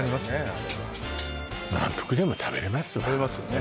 あれは満腹でも食べれますわ食べますよね